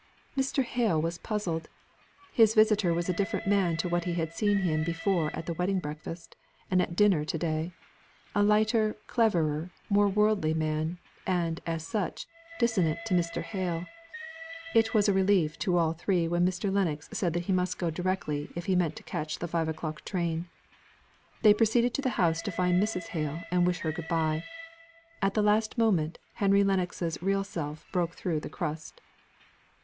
Mr. Hale was puzzled. His visitor was a different man to what he had seen him before at the wedding breakfast, and at dinner to day; a lighter, cleverer, more worldly man, and, as such, dissonant to Mr. Hale. It was a relief to all three when Mr. Lennox said that he must go directly if he meant to catch the five o'clock train. They proceeded to the house to find Mrs. Hale, and wish her good bye. At the last moment, Henry Lennox's real self broke through the crust.